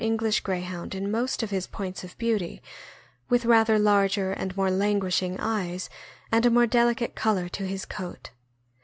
English Greyhound in most of his points of beauty, with rather larger and more languishing eyes, and a more deli cate color to his coat.